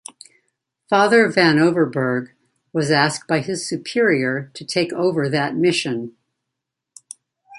Father Vanoverbergh was asked by his superior to take over that mission.